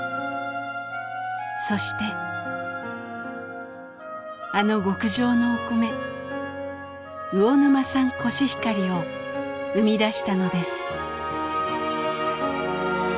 そしてあの極上のお米魚沼産コシヒカリを生み出したのです。